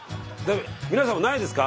皆さんもないですか？